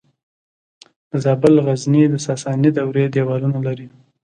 د زابل د غزنیې د ساساني دورې دیوالونه لري